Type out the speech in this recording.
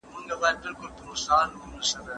وجود مي غم ناځوانه وړی دی له ځانه سره